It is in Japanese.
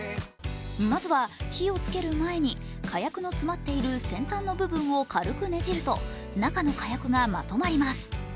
まずは火をつける前に火薬の詰まっている先端の部分を軽くねじると中の火薬がまとまります。